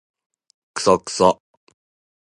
クソクソ